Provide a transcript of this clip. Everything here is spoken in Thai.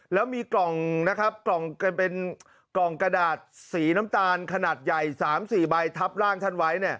แล้วมีกล่องกระดาษสีน้ำตาลขนาดใหญ่๓๔ใบทับล่างท่านไว้